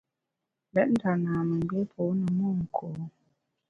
Lét nda namemgbié pô ne monku.